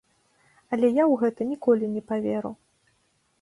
Але я ў гэта ніколі не паверу.